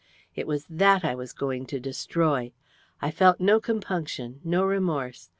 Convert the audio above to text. It was that I was going to destroy. I felt no compunction no remorse.